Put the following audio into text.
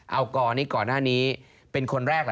เอากรนี่ก่อนหน้านี้เป็นคนแรก